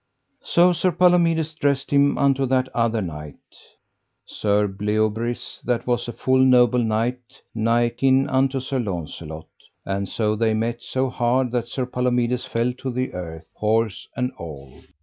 So Sir Palomides dressed him unto that other knight, Sir Bleoberis, that was a full noble knight, nigh kin unto Sir Launcelot. And so they met so hard that Sir Palomides fell to the earth, horse and all.